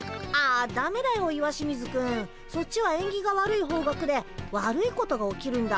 そっちはえんぎが悪い方角で悪いことが起きるんだ。